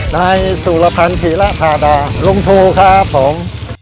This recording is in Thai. ได้สุรพันธุ์ผีรภาดาลงทูครับผม